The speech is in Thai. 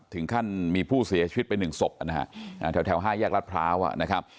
ถึงขั้นมีผู้เสียชีวิตไป๑ศพนะฮะแถว๕แยกรัฐพร้าวนะครับ